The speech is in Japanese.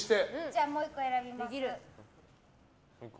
じゃあもう１個選びます。